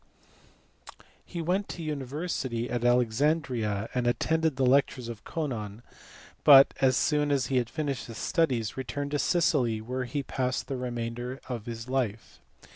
He went to the university of Alexandria and attended the lectures of Conon but, as soon as he had finished his studies, returned to Sicily where he passed the remainder of his life.